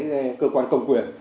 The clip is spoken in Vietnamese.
các cơ quan công quyền